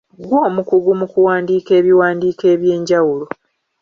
Ggwe omukugu mu kuwandiika ebiwandiiko eby’enjawulo.